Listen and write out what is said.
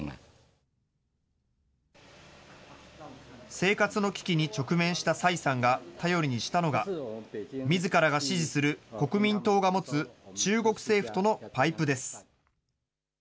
生活の危機に直面した蔡さんが頼りにしたのが、みずからが支持する国民党が持つ中国政府とのパイプです。